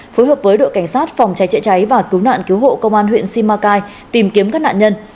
phối hợp với đội cảnh sát phòng cháy chữa cháy và cứu nạn cứu hộ công an huyện simacai tìm kiếm các nạn nhân